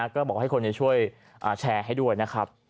ก็บอกให้คนช่วยแชร์ให้ด้วยนะครับ